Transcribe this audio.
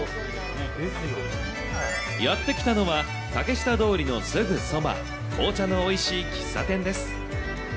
やって来たのは、竹下通りのすぐそば、紅茶のおいしい喫茶店です。